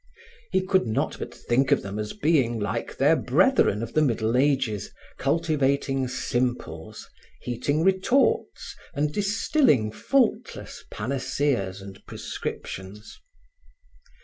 He could not but think of them as being like their brethren of the Middle Ages, cultivating simples, heating retorts and distilling faultless panaceas and prescriptions.